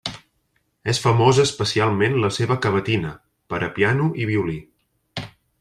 És famosa especialment la seva Cavatina, per a piano i violí.